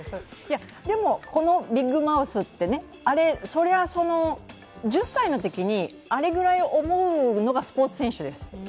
このビッグマウスって、１０歳のときにあれぐらい思うのがスポーツ選手です。